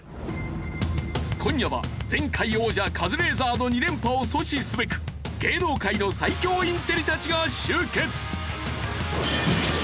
今夜は前回王者カズレーザーの２連覇を阻止すべく芸能界の最強インテリたちが集結！